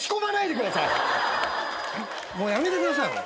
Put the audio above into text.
もうやめてください。